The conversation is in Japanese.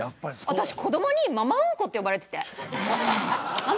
私、子どもにママうんこって呼ばれていて。